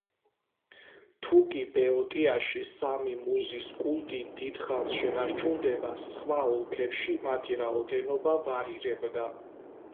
თუკი ბეოტიაში სამი მუზის კულტი დიდ ხანს შენარჩუნდა, სხვა ოლქებში მათი რაოდენობა ვარირებდა.